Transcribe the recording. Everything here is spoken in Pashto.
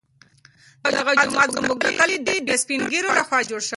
دغه جومات زموږ د کلي د سپین ږیرو لخوا جوړ شوی.